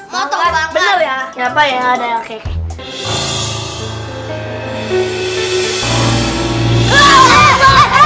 mau tau banget